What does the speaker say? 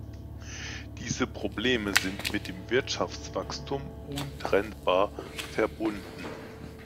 Diese Probleme sind mit dem Wirtschaftswachstum untrennbar verbunden.